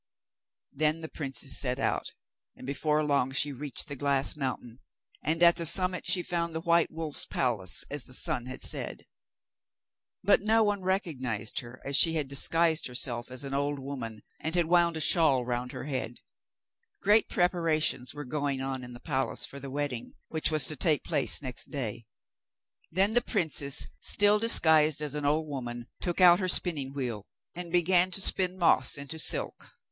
Then the princess set out, and before long she reached the glass mountain, and at the summit she found the white wolf's palace, as the sun had said. But no one recognised her, as she had disguised herself as an old woman, and had wound a shawl round her head. Great preparations were going on in the palace for the wedding, which was to take place next day. Then the princess, still disguised as an old woman, took out her spinning wheel, and began to spin moss into silk.